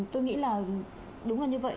tôi nghĩ là đúng là như vậy